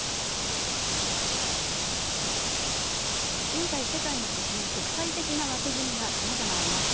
現在、世界には国際的な枠組みがさまざまあります。